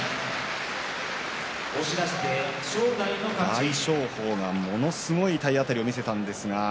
大翔鵬が、ものすごい体当たりを見せたんですが。